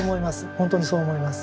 ほんとにそう思います。